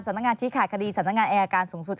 สนับงานชิ้นขาดคดีสนับงานแอร์การสมสตร์